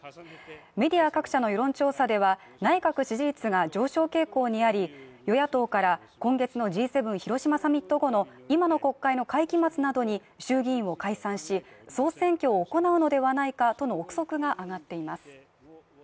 メディア各社の世論調査では、内閣支持率が上昇傾向にあり、与野党から今月のＧ７広島サミット後の今の国会の会期末なとに衆議院を解散し、総選挙を行うのではないかとの臆測が上がっています。